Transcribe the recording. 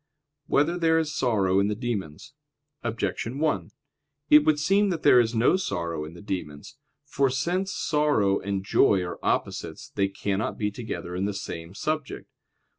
3] Whether There Is Sorrow in the Demons? Objection 1: It would seem that there is no sorrow in the demons. For since sorrow and joy are opposites, they cannot be together in the same subject.